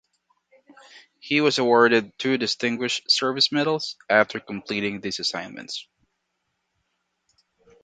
He was awarded two Distinguished Service Medals after completing these assignments.